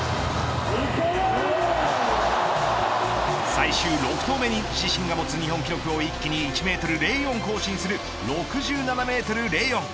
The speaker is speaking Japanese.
最終６投目に自身が持つ日本記録を一気に１メートル０４更新する６７メートル０４。